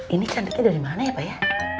ini cantiknya dari mana ya pak ya